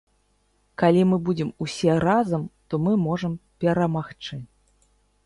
Калі мы будзем усе разам, то мы можам перамагчы.